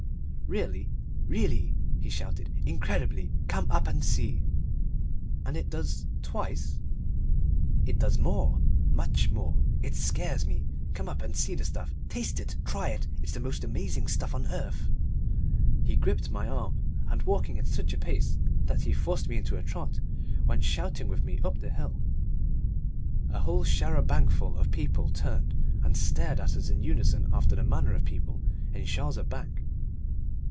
"Really?" "Really!" he shouted. "Incredibly! Come up and see." "And it does twice? "It does more, much more. It scares me. Come up and see the stuff. Taste it! Try it! It's the most amazing stuff on earth." He gripped my arm and, walking at such a pace that he forced me into a trot, went shouting with me up the hill. A whole char a banc ful of people turned and stared at us in unison after the manner of people in chars a banc.